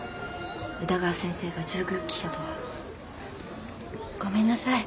宇田川先生が従軍記者とは。ごめんなさい。